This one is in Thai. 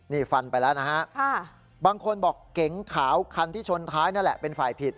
นี่ฟันไปแล้วนะฮะบางคนบอกเก๋งขาวคันที่ชนท้ายนั่นแหละเป็นฝ่ายผิด